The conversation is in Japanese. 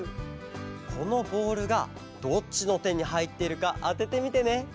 このボールがどっちのてにはいってるかあててみてね！